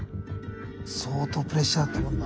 相当プレッシャーだったもんな。